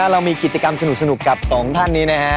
เรามีกิจกรรมสนุกกับ๒ท่านนะครับ